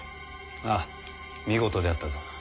ああ見事であったぞ。